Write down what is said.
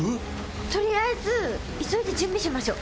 取りあえず急いで準備しましょう。